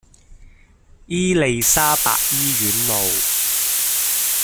伊利沙伯醫院路